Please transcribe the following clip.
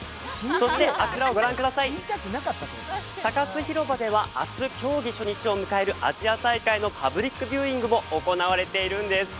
そしてあちらをご覧ください、サカス広場では明日競技開始を迎えるアジア大会のパブリックビューイングも行われているんです。